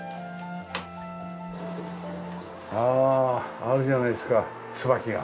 ああるじゃないですかツバキが。